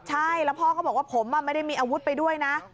ใช่แล้วพ่อก็บอกว่าผมไม่ได้มีอาวุธไปด้วยนะ